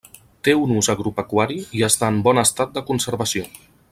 Té un ús agropecuari i està en bon estat de conservació.